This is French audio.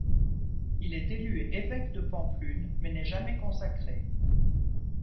Il est élu évêque de Pampelune, mais n'est jamais consacré.